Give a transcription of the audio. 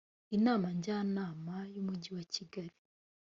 inama njyanama y umujyi wa kigali